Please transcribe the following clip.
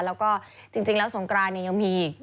แล้วก็จริงแล้วสงครานยังมี